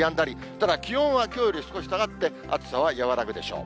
ただ気温はきょうより少し下がって、暑さは和らぐでしょう。